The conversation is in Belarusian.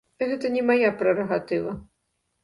Гэта не мая прэрагатыва.